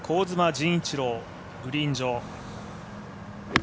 陣一朗、グリーン上。